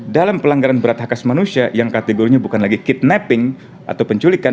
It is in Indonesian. dalam pelanggaran berat hak as manusia yang kategorinya bukan lagi kidnapping atau penculikan